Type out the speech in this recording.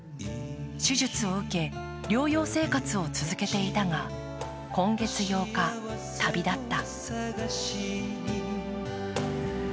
手術を受け、療養生活を続けていたが今月８日、旅立った。